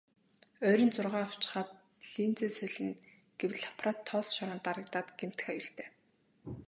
Ойрын зургаа авчхаад линзээ солино гэвэл аппарат тоос шороонд дарагдаад гэмтэх аюултай.